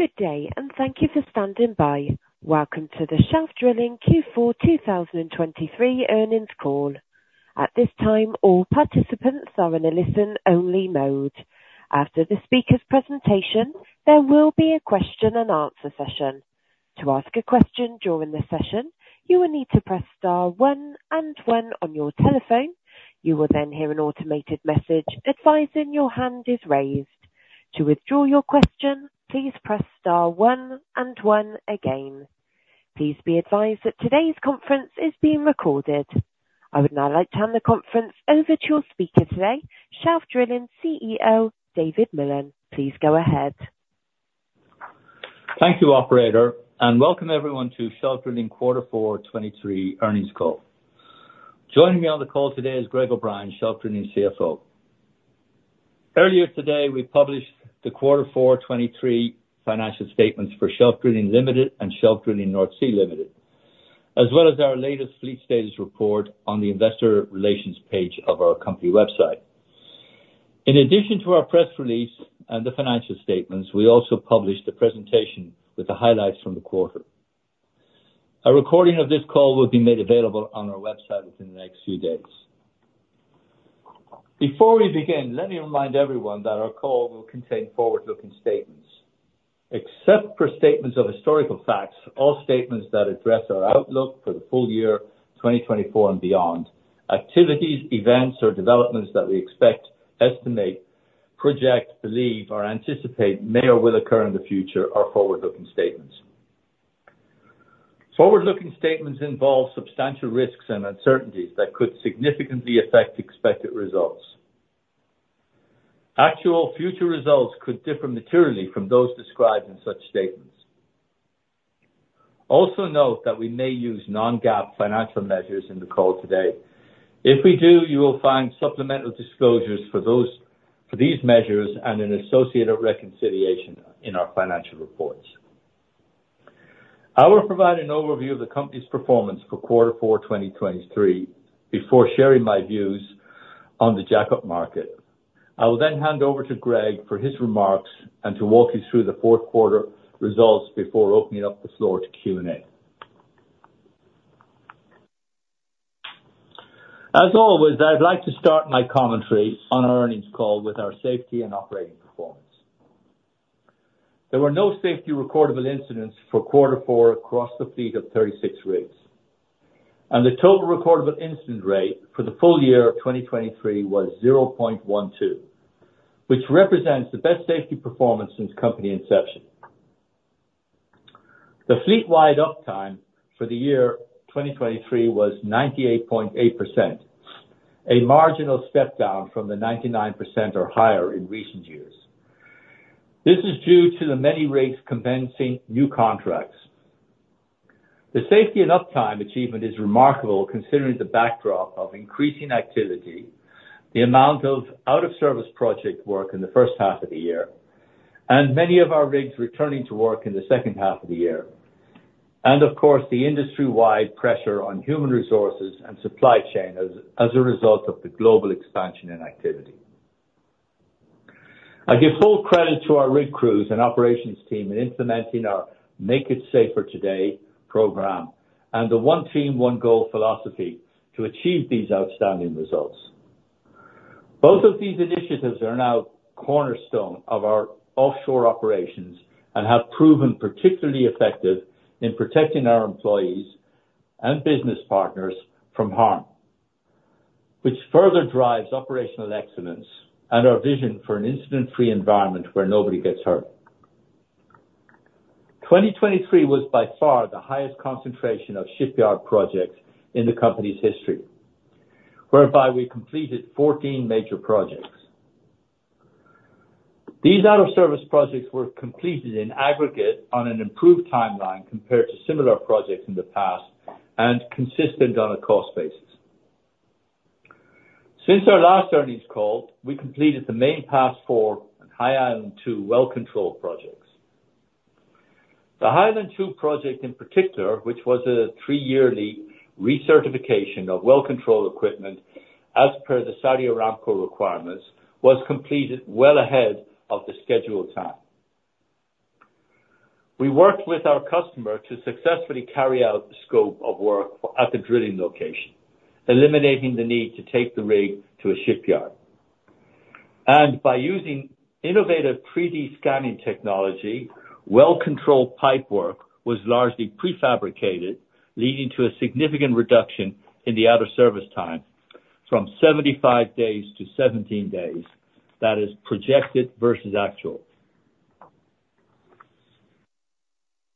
Good day, and thank you for standing by. Welcome to the Shelf Drilling Q4 2023 earnings call. At this time, all participants are in a listen-only mode. After the speaker's presentation, there will be a question-and-answer session. To ask a question during the session, you will need to press star one and one on your telephone. You will then hear an automated message advising your hand is raised. To withdraw your question, please press star one and one again. Please be advised that today's conference is being recorded. I would now like to hand the conference over to your speaker today, Shelf Drilling CEO David Mullen. Please go ahead. Thank you, operator, and welcome everyone to Shelf Drilling Q4 2023 earnings call. Joining me on the call today is Greg O'Brien, Shelf Drilling CFO. Earlier today, we published the Q4 2023 financial statements for Shelf Drilling Limited and Shelf Drilling North Sea Limited, as well as our latest fleet status report on the investor relations page of our company website. In addition to our press release and the financial statements, we also published a presentation with the highlights from the quarter. A recording of this call will be made available on our website within the next few days. Before we begin, let me remind everyone that our call will contain forward-looking statements. Except for statements of historical facts, all statements that address our outlook for the full year 2024 and beyond (activities, events, or developments that we expect, estimate, project, believe, or anticipate may or will occur in the future) are forward-looking statements. Forward-looking statements involve substantial risks and uncertainties that could significantly affect expected results. Actual future results could differ materially from those described in such statements. Also note that we may use non-GAAP financial measures in the call today. If we do, you will find supplemental disclosures for these measures and an associated reconciliation in our financial reports. I will provide an overview of the company's performance for Q4 2023 before sharing my views on the jack-up market. I will then hand over to Greg for his remarks and to walk you through the fourth quarter results before opening up the floor to Q&A. As always, I'd like to start my commentary on our earnings call with our safety and operating performance. There were no safety recordable incidents for quarter four across the fleet of 36 rigs, and the total recordable incident rate for the full year 2023 was 0.12, which represents the best safety performance since company inception. The fleet-wide uptime for the year 2023 was 98.8%, a marginal step down from the 99% or higher in recent years. This is due to the many rigs compensating new contracts. The safety and uptime achievement is remarkable considering the backdrop of increasing activity, the amount of out-of-service project work in the first half of the year, and many of our rigs returning to work in the second half of the year, and of course the industry-wide pressure on human resources and supply chain as a result of the global expansion in activity. I give full credit to our rig crews and operations team in implementing our Make It Safer Today program and the One Team, One Goal philosophy to achieve these outstanding results. Both of these initiatives are now cornerstone of our offshore operations and have proven particularly effective in protecting our employees and business partners from harm, which further drives operational excellence and our vision for an incident-free environment where nobody gets hurt. 2023 was by far the highest concentration of shipyard projects in the company's history, whereby we completed 14 major projects. These out-of-service projects were completed in aggregate on an improved timeline compared to similar projects in the past and consistent on a cost basis. Since our last earnings call, we completed the Main Pass IV and High Island II well control projects. The High Island II project in particular, which was a three-yearly recertification of well control equipment as per the Saudi Aramco requirements, was completed well ahead of the scheduled time. We worked with our customer to successfully carry out the scope of work at the drilling location, eliminating the need to take the rig to a shipyard. By using innovative 3D scanning technology, well control pipework was largely prefabricated, leading to a significant reduction in the out-of-service time from 75 days to 17 days, that is, projected versus actual.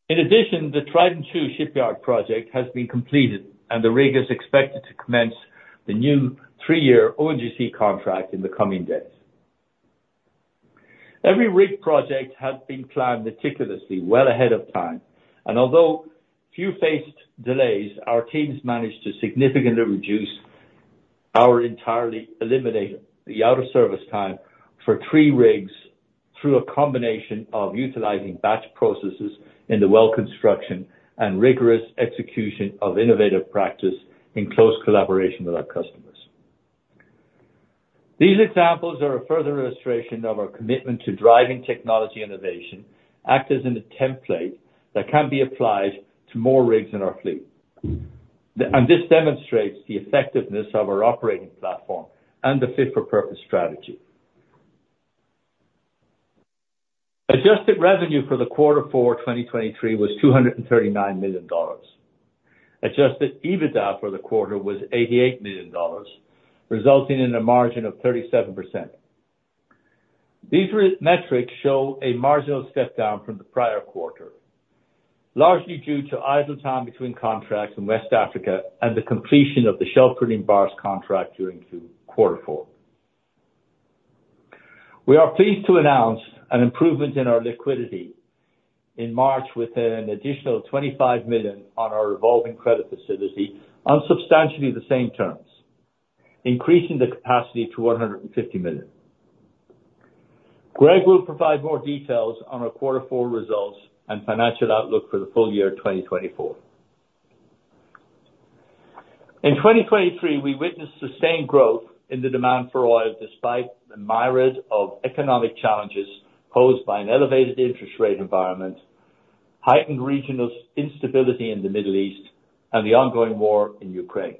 In addition, the Trident II shipyard project has been completed, and the rig is expected to commence the new three-year ONGC contract in the coming days. Every rig project has been planned meticulously well ahead of time, and although few faced delays, our teams managed to significantly reduce or entirely eliminate the out-of-service time for three rigs through a combination of utilizing batch processes in the well construction and rigorous execution of innovative practices in close collaboration with our customers. These examples are a further illustration of our commitment to driving technology innovation and act as a template that can be applied to more rigs in our fleet, and this demonstrates the effectiveness of our operating platform and the fit-for-purpose strategy. Adjusted revenue for Q4 2023 was $239 million. Adjusted EBITDA for the quarter was $88 million, resulting in a margin of 37%. These metrics show a marginal step down from the prior quarter, largely due to idle time between contracts in West Africa and the completion of the Shelf Drilling Barsk contract during Q4. We are pleased to announce an improvement in our liquidity in March with an additional $25 million on our revolving credit facility on substantially the same terms, increasing the capacity to $150 million. Greg will provide more details on our quarter four results and financial outlook for the full year 2024. In 2023, we witnessed sustained growth in the demand for oil despite the myriad of economic challenges posed by an elevated interest rate environment, heightened regional instability in the Middle East, and the ongoing war in Ukraine.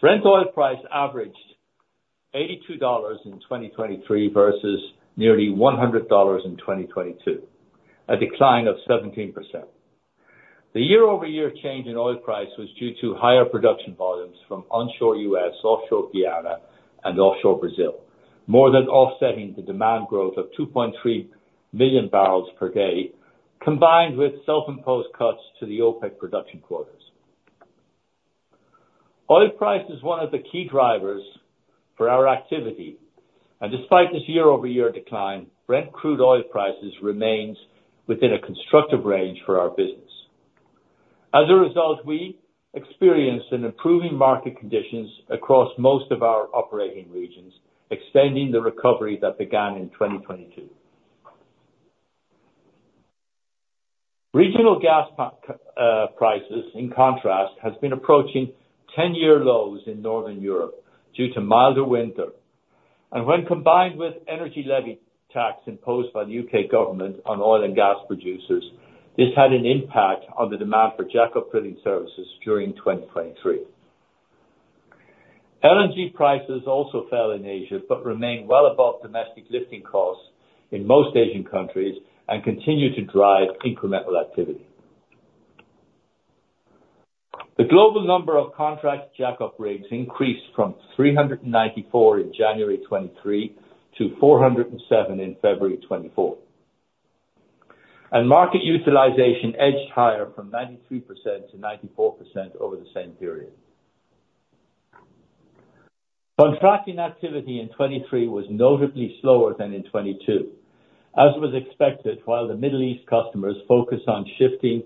Brent oil price averaged $82 in 2023 versus nearly $100 in 2022, a decline of 17%. The year-over-year change in oil price was due to higher production volumes from onshore U.S., offshore Guyana, and offshore Brazil, more than offsetting the demand growth of 2.3 MMBpd combined with self-imposed cuts to the OPEC production quotas. Oil price is one of the key drivers for our activity, and despite this year-over-year decline, Brent crude oil prices remain within a constructive range for our business. As a result, we experienced an improving market conditions across most of our operating regions, extending the recovery that began in 2022. Regional gas prices, in contrast, have been approaching 10-year lows in northern Europe due to milder winter, and when combined with energy levy tax imposed by the U.K. government on oil and gas producers, this had an impact on the demand for jack-up drilling services during 2023. LNG prices also fell in Asia but remain well above domestic lifting costs in most Asian countries and continue to drive incremental activity. The global number of contract jack-up rigs increased from 394 in January 2023 to 407 in February 2024, and market utilization edged higher from 93% to 94% over the same period. Contracting activity in 2023 was notably slower than in 2022, as was expected while the Middle East customers focused on shifting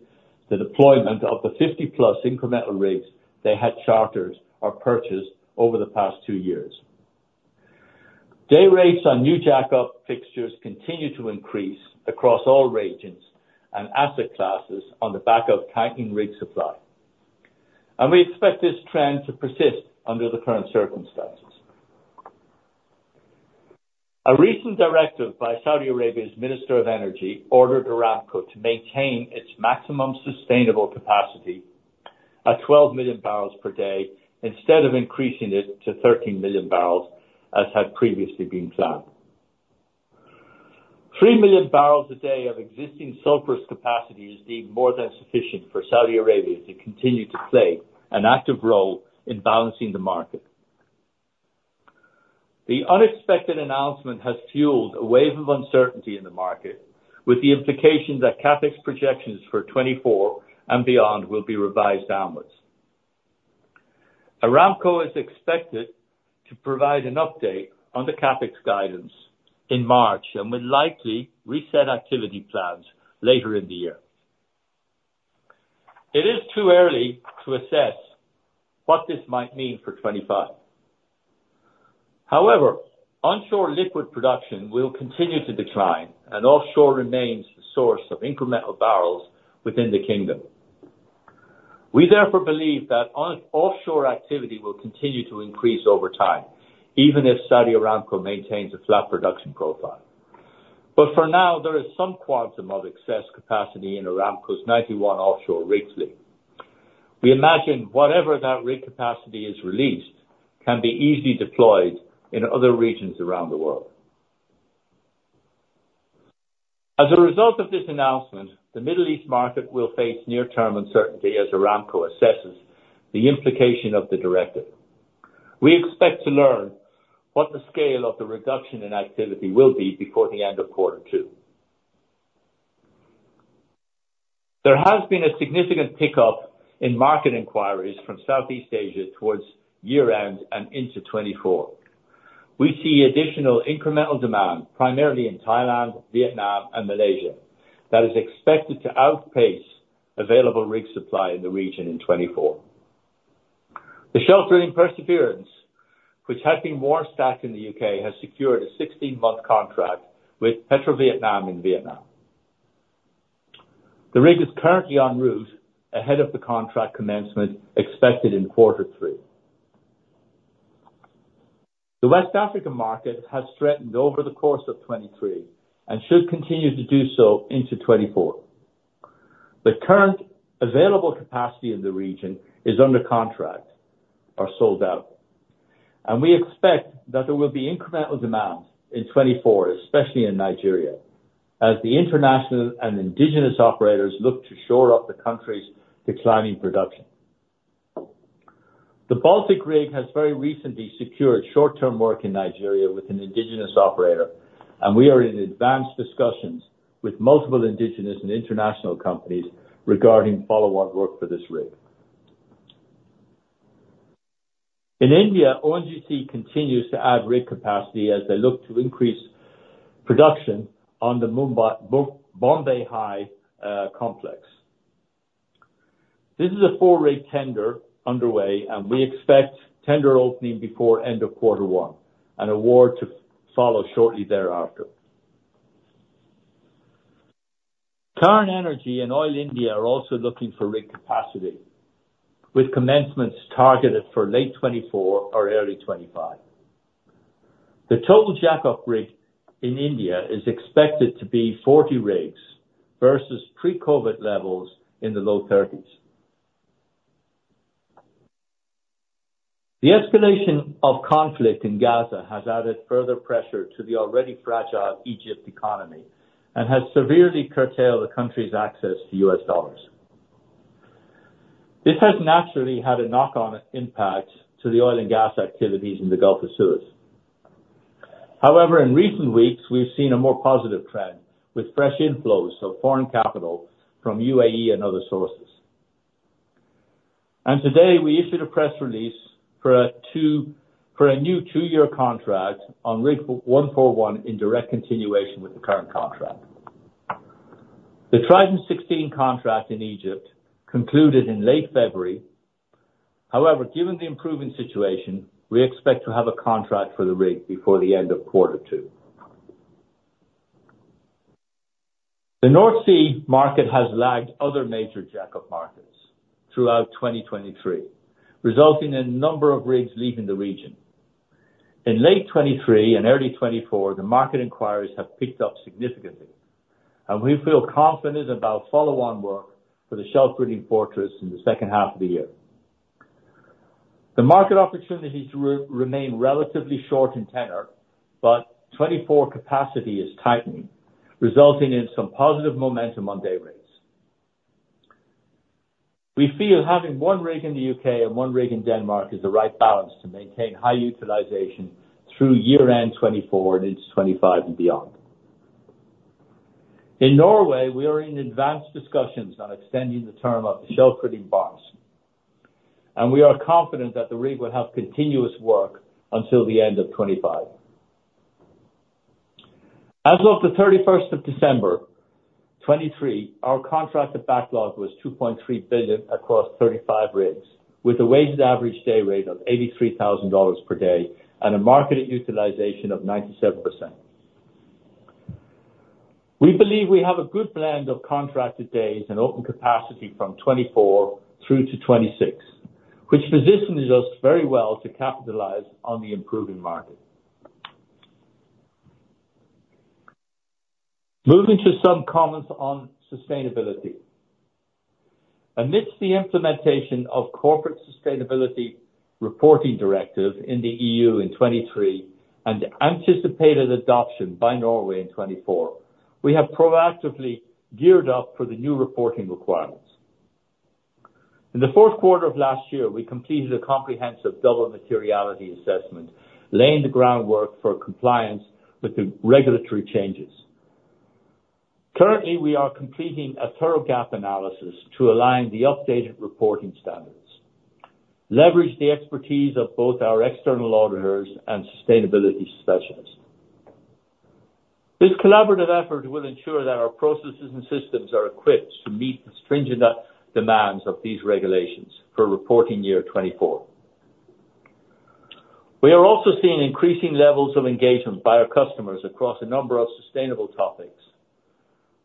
the deployment of the 50+ incremental rigs they had chartered or purchased over the past two years. Day rates on new jack-up fixtures continue to increase across all regions and asset classes on the back of tightening rig supply, and we expect this trend to persist under the current circumstances. A recent directive by Saudi Arabia's Minister of Energy ordered Aramco to maintain its maximum sustainable capacity at 12 MMBpd instead of increasing it to 13 MMBpd as had previously been planned. Three MMBpd of existing surplus capacity is deemed more than sufficient for Saudi Arabia to continue to play an active role in balancing the market. The unexpected announcement has fueled a wave of uncertainty in the market, with the implication that CapEx projections for 2024 and beyond will be revised downwards. Aramco is expected to provide an update on the CapEx guidance in March and would likely reset activity plans later in the year. It is too early to assess what this might mean for 2025. However, onshore liquid production will continue to decline, and offshore remains the source of incremental barrels within the kingdom. We therefore believe that offshore activity will continue to increase over time, even if Saudi Aramco maintains a flat production profile. But for now, there is some quantum of excess capacity in Aramco's 91 offshore rig fleet. We imagine whatever that rig capacity is released can be easily deployed in other regions around the world. As a result of this announcement, the Middle East market will face near-term uncertainty as Aramco assesses the implication of the directive. We expect to learn what the scale of the reduction in activity will be before the end of quarter two. There has been a significant pickup in market inquiries from Southeast Asia towards year-end and into 2024. We see additional incremental demand primarily in Thailand, Vietnam, and Malaysia that is expected to outpace available rig supply in the region in 2024. The Shelf Drilling Perseverance, which has been warm stacked in the U.K., has secured a 16-month contract with PetroVietnam in Vietnam. The rig is currently en route ahead of the contract commencement expected in quarter three. The West African market has threatened over the course of 2023 and should continue to do so into 2024. The current available capacity in the region is under contract or sold out, and we expect that there will be incremental demand in 2024, especially in Nigeria, as the international and indigenous operators look to shore up the country's declining production. The Baltic rig has very recently secured short-term work in Nigeria with an indigenous operator, and we are in advanced discussions with multiple indigenous and international companies regarding follow-on work for this rig. In India, ONGC continues to add rig capacity as they look to increase production on the Bombay High complex. This is a four-rig tender underway, and we expect tender opening before end of quarter one and award to follow shortly thereafter. Cairn Energy and Oil India are also looking for rig capacity, with commencements targeted for late 2024 or early 2025. The total jack-up rig in India is expected to be 40 rigs versus pre-COVID levels in the low 30s. The escalation of conflict in Gaza has added further pressure to the already fragile Egyptian economy and has severely curtailed the country's access to U.S. dollars. This has naturally had a knock-on impact to the oil and gas activities in the Gulf of Suez. However, in recent weeks, we've seen a more positive trend with fresh inflows of foreign capital from UAE and other sources. Today, we issued a press release for a new two-year contract on Rig 141 in direct continuation with the current contract. The Trident 16 contract in Egypt concluded in late February. However, given the improving situation, we expect to have a contract for the rig before the end of quarter two. The North Sea market has lagged other major jack-up markets throughout 2023, resulting in a number of rigs leaving the region. In late 2023 and early 2024, the market enquiries have picked up significantly, and we feel confident about follow-on work for the Shelf Drilling Fortress in the second half of the year. The market opportunities remain relatively short in tenor, but 2024 capacity is tightening, resulting in some positive momentum on day rates. We feel having one rig in the U.K. and one rig in Denmark is the right balance to maintain high utilization through year-end 2024 and into 2025 and beyond. In Norway, we are in advanced discussions on extending the term of the Shelf Drilling Barsk, and we are confident that the rig will have continuous work until the end of 2025. As of the 31st of December 2023, our contract backlog was $2.3 billion across 35 rigs, with a weighted-average day rate of $83,000 per day and a marketed utilization of 97%. We believe we have a good blend of contracted days and open capacity from 2024 through to 2026, which positions us very well to capitalize on the improving market. Moving to some comments on sustainability. Amidst the implementation of the Corporate Sustainability Reporting Directive in the EU in 2023 and anticipated adoption by Norway in 2024, we have proactively geared up for the new reporting requirements. In the fourth quarter of last year, we completed a comprehensive double materiality assessment, laying the groundwork for compliance with the regulatory changes. Currently, we are completing a thorough gap analysis to align the updated reporting standards, leverage the expertise of both our external auditors and sustainability specialists. This collaborative effort will ensure that our processes and systems are equipped to meet the stringent demands of these regulations for reporting year 2024. We are also seeing increasing levels of engagement by our customers across a number of sustainable topics.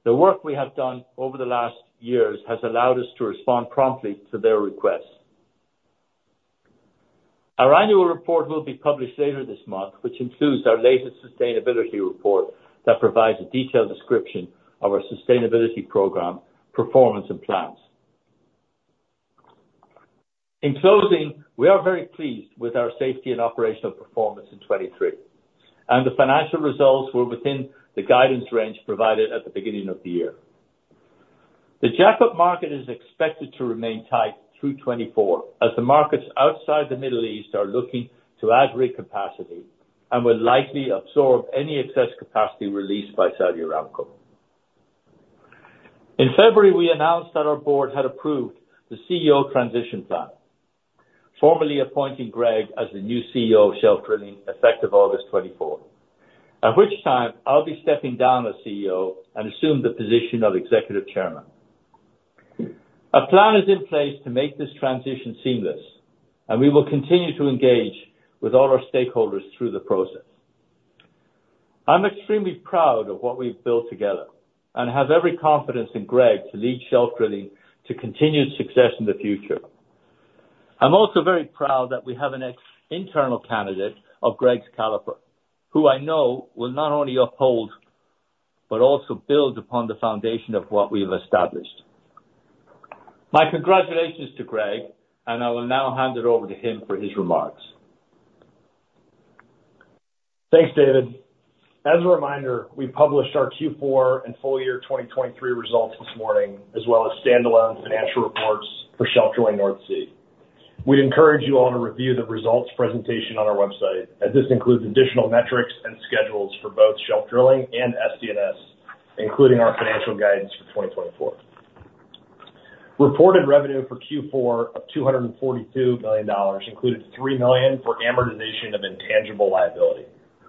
The work we have done over the last years has allowed us to respond promptly to their requests. Our annual report will be published later this month, which includes our latest sustainability report that provides a detailed description of our sustainability program, performance, and plans. In closing, we are very pleased with our safety and operational performance in 2023, and the financial results were within the guidance range provided at the beginning of the year. The jack-up market is expected to remain tight through 2024, as the markets outside the Middle East are looking to add rig capacity and will likely absorb any excess capacity released by Saudi Aramco. In February, we announced that our board had approved the CEO transition plan, formally appointing Greg as the new CEO of Shelf Drilling effective August 2024, at which time I'll be stepping down as CEO and assume the position of Executive Chairman. A plan is in place to make this transition seamless, and we will continue to engage with all our stakeholders through the process. I'm extremely proud of what we've built together and have every confidence in Greg to lead Shelf Drilling to continued success in the future. I'm also very proud that we have an internal candidate of Greg's caliber, who I know will not only uphold but also build upon the foundation of what we have established. My congratulations to Greg, and I will now hand it over to him for his remarks. Thanks, David. As a reminder, we published our Q4 and full year 2023 results this morning, as well as standalone financial reports for Shelf Drilling North Sea. We'd encourage you all to review the results presentation on our website, as this includes additional metrics and schedules for both Shelf Drilling and SDNS, including our financial guidance for 2024. Reported revenue for Q4 of $242 million included $3 million for amortization of intangible liability.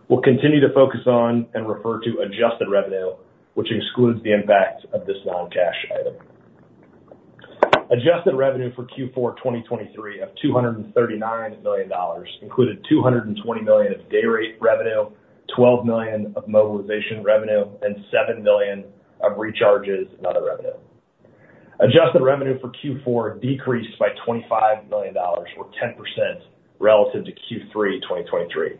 We'll continue to focus on and refer to adjusted revenue, which excludes the impact of this non-cash item. Adjusted revenue for Q4 2023 of $239 million included $220 million of day rate revenue, $12 million of mobilization revenue, and $7 million of recharges and other revenue. Adjusted revenue for Q4 decreased by $25 million or 10% relative to Q3 2023.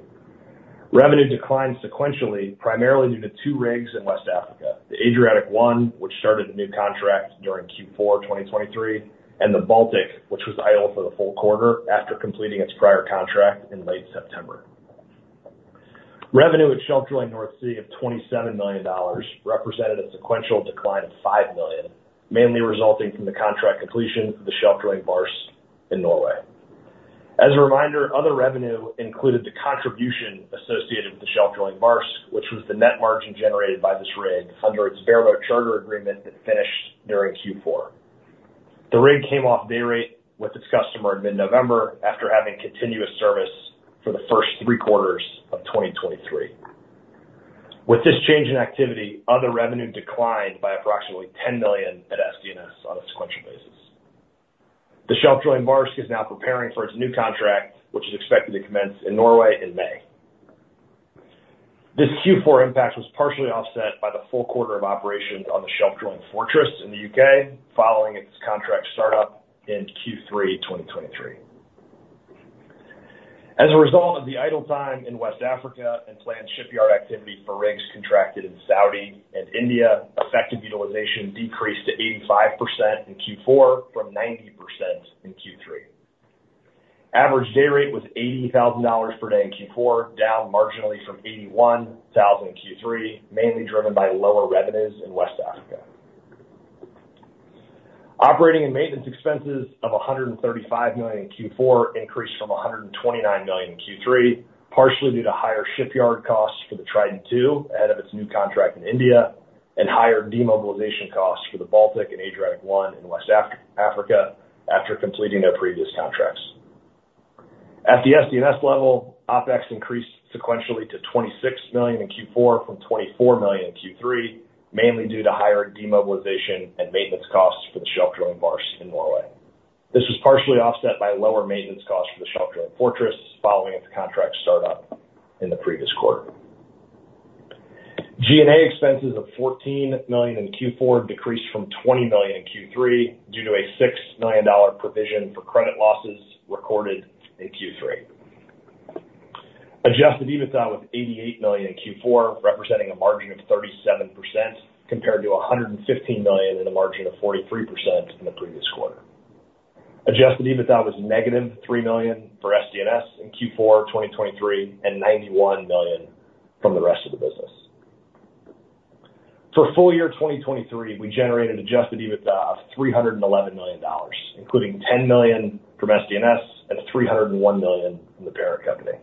Revenue declined sequentially, primarily due to two rigs in West Africa: the Adriatic I, which started the new contract during Q4 2023, and the Baltic, which was idle for the full quarter after completing its prior contract in late September. Revenue at Shelf Drilling North Sea of $27 million represented a sequential decline of $5 million, mainly resulting from the contract completion of the Shelf Drilling Barsk in Norway. As a reminder, other revenue included the contribution associated with the Shelf Drilling Barsk, which was the net margin generated by this rig under its bareboat charter agreement that finished during Q4. The rig came off day rate with its customer in mid-November after having continuous service for the first three quarters of 2023. With this change in activity, other revenue declined by approximately $10 million at SDNS on a sequential basis. The Shelf Drilling Barsk is now preparing for its new contract, which is expected to commence in Norway in May. This Q4 impact was partially offset by the full quarter of operations on the Shelf Drilling Fortress in the U.K. following its contract startup in Q3 2023. As a result of the idle time in West Africa and planned shipyard activity for rigs contracted in Saudi and India, effective utilization decreased to 85% in Q4 from 90% in Q3. Average day rate was $80,000 per day in Q4, down marginally from $81,000 in Q3, mainly driven by lower revenues in West Africa. Operating and maintenance expenses of $135 million in Q4 increased from $129 million in Q3, partially due to higher shipyard costs for the Trident II ahead of its new contract in India and higher demobilization costs for the Baltic and Adriatic I in West Africa after completing their previous contracts. At the SDNS level, OpEx increased sequentially to $26 million in Q4 from $24 million in Q3, mainly due to higher demobilization and maintenance costs for the Shelf Drilling Barsk in Norway. This was partially offset by lower maintenance costs for the Shelf Drilling Fortress following its contract startup in the previous quarter. G&A expenses of $14 million in Q4 decreased from $20 million in Q3 due to a $6 million provision for credit losses recorded in Q3. Adjusted EBITDA was $88 million in Q4, representing a margin of 37% compared to $115 million and a margin of 43% in the previous quarter. Adjusted EBITDA was -$3 million for SDNS in Q4 2023 and $91 million from the rest of the business. For full year 2023, we generated adjusted EBITDA of $311 million, including $10 million from SDNS and $301 million from the parent company.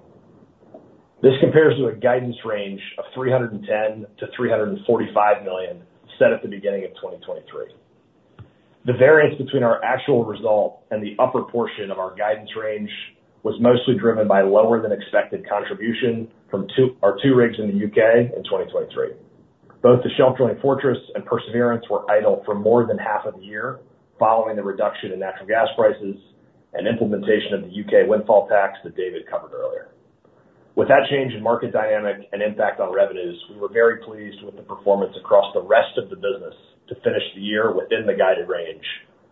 This compares to a guidance range of $310 million-$345 million set at the beginning of 2023. The variance between our actual result and the upper portion of our guidance range was mostly driven by lower-than-expected contribution from our two rigs in the U.K. in 2023. Both the Shelf Drilling Fortress and Perseverance were idle for more than half of the year following the reduction in natural gas prices and implementation of the U.K. windfall tax that David covered earlier. With that change in market dynamic and impact on revenues, we were very pleased with the performance across the rest of the business to finish the year within the guided range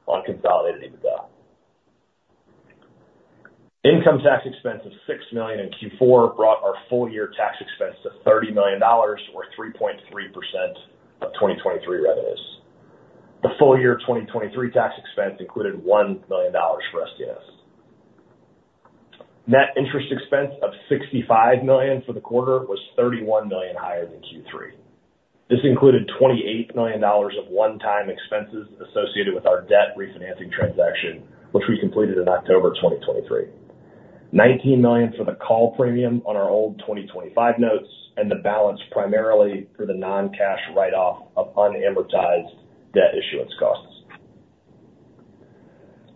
on consolidated EBITDA. Income tax expense of $6 million in Q4 brought our full-year tax expense to $30 million or 3.3% of 2023 revenues. The full-year 2023 tax expense included $1 million for SDNS. Net interest expense of $65 million for the quarter was $31 million higher than Q3. This included $28 million of one-time expenses associated with our debt refinancing transaction, which we completed in October 2023, $19 million for the call premium on our old 2025 Notes, and the balance primarily for the non-cash write-off of unamortized debt issuance costs.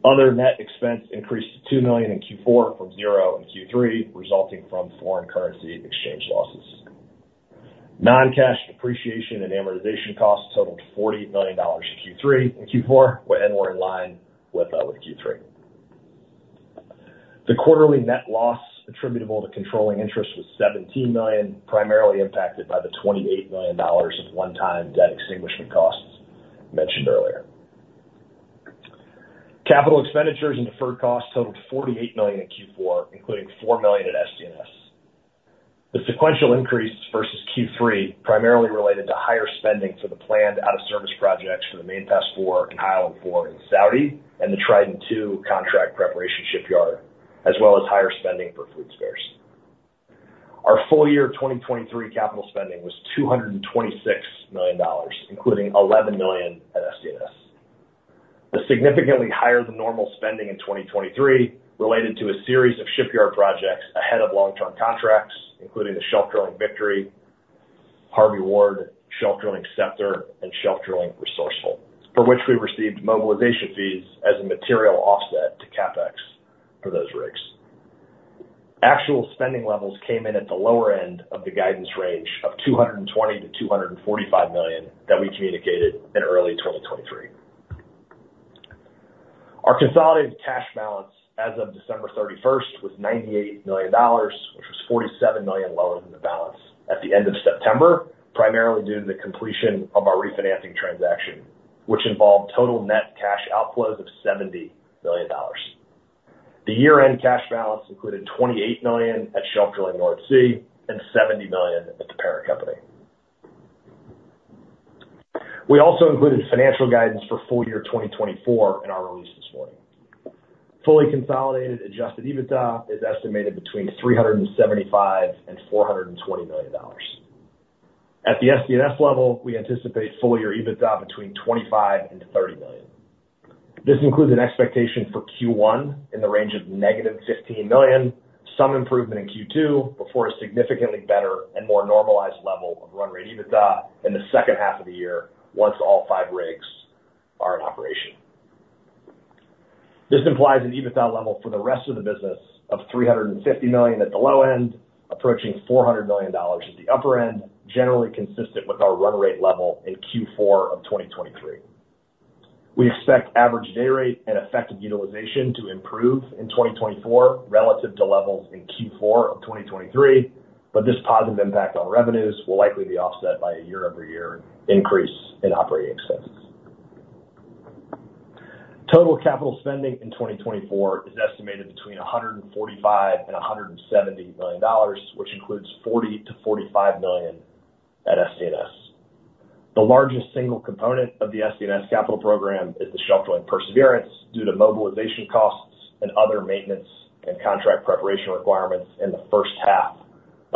Other net expense increased to $2 million in Q4 from $0 in Q3, resulting from foreign currency exchange losses. Non-cash depreciation and amortization costs totaled $40 million in Q3 and Q4, and were in line with Q3. The quarterly net loss attributable to controlling interest was $17 million, primarily impacted by the $28 million of one-time debt extinguishment costs mentioned earlier. CapEx and deferred costs totaled $48 million in Q4, including $4 million at SDNS. The sequential increase versus Q3 primarily related to higher spending for the planned out-of-service projects for the Main Pass IV in High Island IV in Saudi and the Trident II contract preparation shipyard, as well as higher spending for fleet spares. Our full-year 2023 capital spending was $226 million, including $11 million at SDNS. This significantly higher-than-normal spending in 2023 related to a series of shipyard projects ahead of long-term contracts, including the Shelf Drilling Victory, Harvey Ward, Shelf Drilling Scepter, and Shelf Drilling Resourceful, for which we received mobilization fees as a material offset to CapEx for those rigs. Actual spending levels came in at the lower end of the guidance range of $220 million-$245 million that we communicated in early 2023. Our consolidated cash balance as of December 31st was $98 million, which was $47 million lower than the balance at the end of September, primarily due to the completion of our refinancing transaction, which involved total net cash outflows of $70 million. The year-end cash balance included $28 million at Shelf Drilling North Sea and $70 million at the parent company. We also included financial guidance for full year 2024 in our release this morning. Fully consolidated adjusted EBITDA is estimated between $375 million-$420 million. At the SDNS level, we anticipate full-year EBITDA between $25 million-$30 million. This includes an expectation for Q1 in the range of -$15 million, some improvement in Q2 before a significantly better and more normalized level of run rate EBITDA in the second half of the year once all five rigs are in operation. This implies an EBITDA level for the rest of the business of $350 million at the low end, approaching $400 million at the upper end, generally consistent with our run rate level in Q4 of 2023. We expect average day rate and effective utilization to improve in 2024 relative to levels in Q4 of 2023, but this positive impact on revenues will likely be offset by a year-over-year increase in operating expenses. Total capital spending in 2024 is estimated between $145 million and $170 million, which includes $40 million-$45 million at SDNS. The largest single component of the SDNS capital program is the Shelf Drilling Perseverance due to mobilization costs and other maintenance and contract preparation requirements in the first half of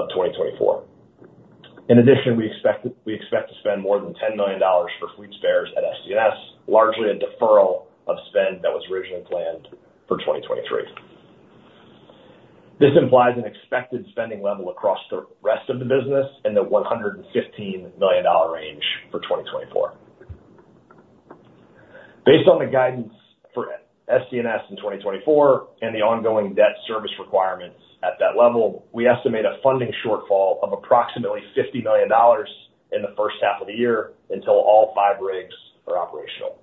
2024. In addition, we expect to spend more than $10 million for fleet spares at SDNS, largely a deferral of spend that was originally planned for 2023. This implies an expected spending level across the rest of the business in the $115 million range for 2024. Based on the guidance for SDNS in 2024 and the ongoing debt service requirements at that level, we estimate a funding shortfall of approximately $50 million in the first half of the year until all five rigs are operational.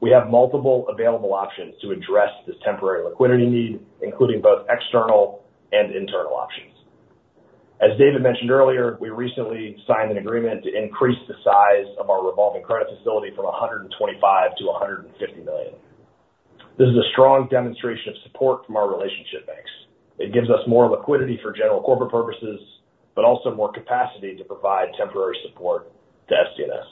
We have multiple available options to address this temporary liquidity need, including both external and internal options. As David mentioned earlier, we recently signed an agreement to increase the size of our revolving credit facility from $125 million-$150 million. This is a strong demonstration of support from our relationship banks. It gives us more liquidity for general corporate purposes, but also more capacity to provide temporary support to SDNS.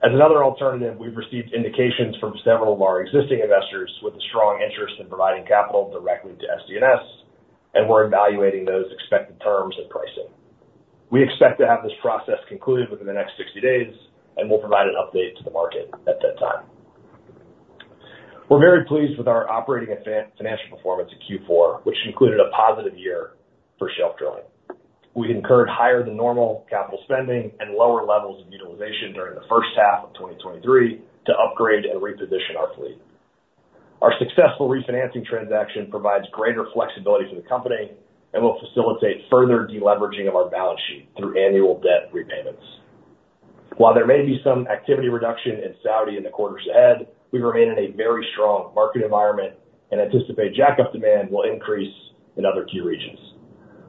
As another alternative, we've received indications from several of our existing investors with a strong interest in providing capital directly to SDNS, and we're evaluating those expected terms and pricing. We expect to have this process concluded within the next 60 days, and we'll provide an update to the market at that time. We're very pleased with our operating and financial performance in Q4, which included a positive year for Shelf Drilling. We incurred higher-than-normal capital spending and lower levels of utilization during the first half of 2023 to upgrade and reposition our fleet. Our successful refinancing transaction provides greater flexibility for the company and will facilitate further deleveraging of our balance sheet through annual debt repayments. While there may be some activity reduction in Saudi in the quarters ahead, we remain in a very strong market environment and anticipate jack-up demand will increase in other key regions.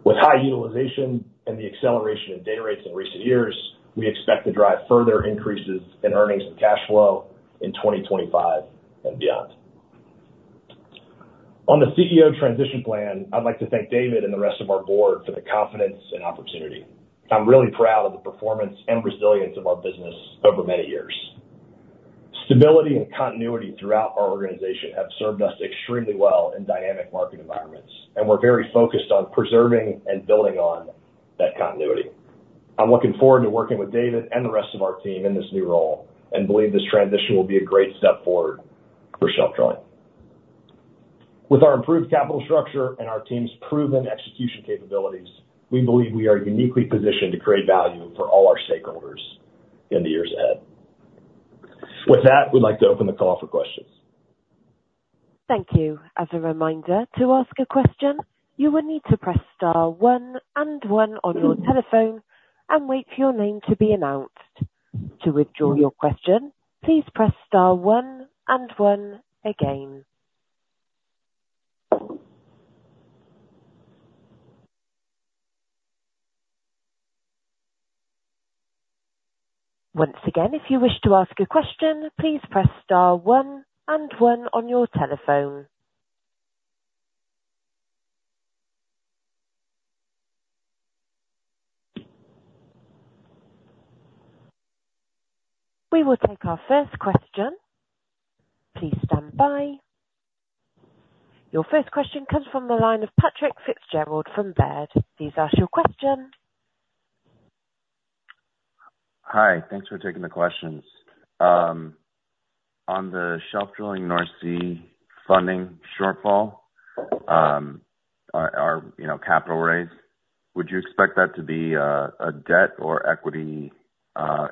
With high utilization and the acceleration in day rates in recent years, we expect to drive further increases in earnings and cash flow in 2025 and beyond. On the CEO transition plan, I'd like to thank David and the rest of our board for the confidence and opportunity. I'm really proud of the performance and resilience of our business over many years. Stability and continuity throughout our organization have served us extremely well in dynamic market environments, and we're very focused on preserving and building on that continuity. I'm looking forward to working with David and the rest of our team in this new role and believe this transition will be a great step forward for Shelf Drilling. With our improved capital structure and our team's proven execution capabilities, we believe we are uniquely positioned to create value for all our stakeholders in the years ahead. With that, we'd like to open the call for questions. Thank you. As a reminder, to ask a question, you will need to press star one and one on your telephone and wait for your name to be announced. To withdraw your question, please press star one and one again. Once again, if you wish to ask a question, please press star one and one on your telephone. We will take our first question. Please stand by. Your first question comes from the line of Patrick Fitzgerald from Baird. Please ask your question. Hi. Thanks for taking the questions. On the Shelf Drilling North Sea funding shortfall, our capital raise, would you expect that to be a debt or equity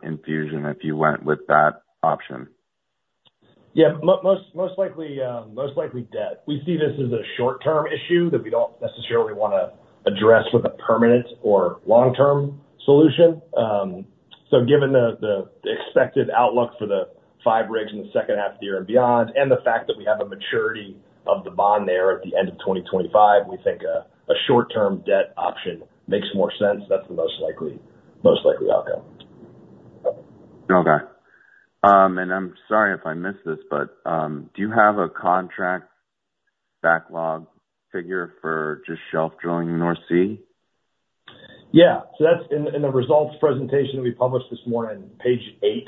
infusion if you went with that option? Yeah. Most likely debt. We see this as a short-term issue that we don't necessarily want to address with a permanent or long-term solution. So given the expected outlook for the five rigs in the second half of the year and beyond, and the fact that we have a maturity of the bond there at the end of 2025, we think a short-term debt option makes more sense. That's the most likely outcome. Okay. I'm sorry if I missed this, but do you have a contract backlog figure for just Shelf Drilling North Sea? Yeah. So in the results presentation we published this morning, page 8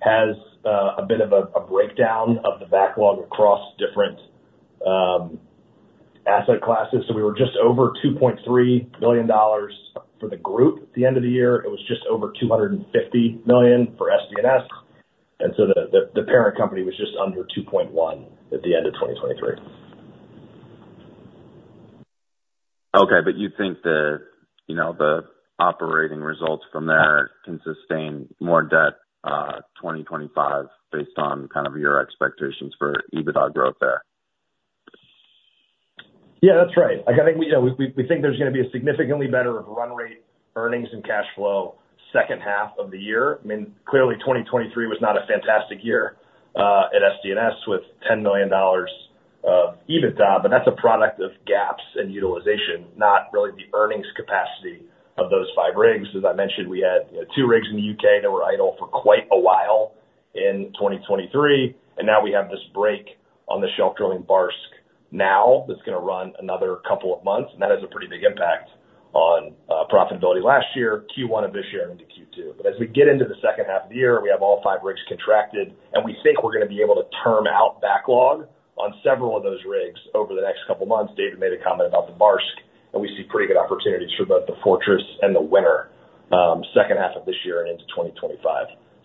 has a bit of a breakdown of the backlog across different asset classes. So we were just over $2.3 billion for the group at the end of the year. It was just over $250 million for SDNS. And so the parent company was just under $2.1 billion at the end of 2023. Okay. But you think the operating results from there can sustain more debt 2025 based on kind of your expectations for EBITDA growth there? Yeah. That's right. I think we think there's going to be a significantly better run rate earnings and cash flow second half of the year. I mean, clearly, 2023 was not a fantastic year at SDNS with $10 million of EBITDA, but that's a product of gaps in utilization, not really the earnings capacity of those five rigs. As I mentioned, we had two rigs in the U.K. that were idle for quite a while in 2023. And now we have this break on the Shelf Drilling Barsk now that's going to run another couple of months. And that has a pretty big impact on profitability last year, Q1 of this year, and into Q2. But as we get into the second half of the year, we have all five rigs contracted, and we think we're going to be able to term out backlog on several of those rigs over the next couple of months. David made a comment about the Barsk, and we see pretty good opportunities for both the Fortress and the Winner second half of this year and into 2025.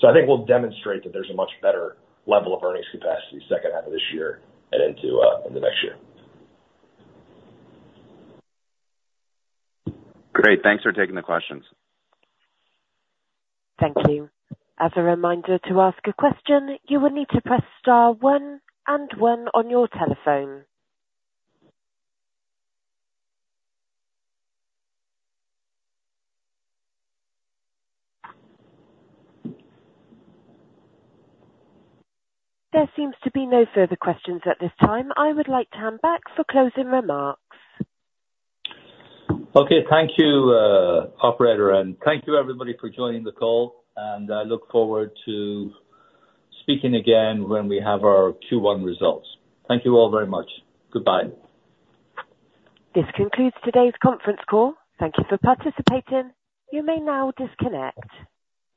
So I think we'll demonstrate that there's a much better level of earnings capacity second half of this year and into the next year. Great. Thanks for taking the questions. Thank you. As a reminder, to ask a question, you would need to press star one and one on your telephone. There seems to be no further questions at this time. I would like to hand back for closing remarks. Okay. Thank you, operator, and thank you, everybody, for joining the call. I look forward to speaking again when we have our Q1 results. Thank you all very much. Goodbye. This concludes today's conference call. Thank you for participating. You may now disconnect.